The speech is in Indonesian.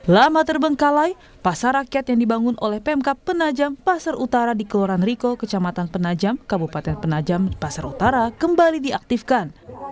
lama terbengkalai pasar rakyat yang dibangun oleh pemkap penajam pasar utara di kelurahan riko kecamatan penajam kabupaten penajam pasar utara kembali diaktifkan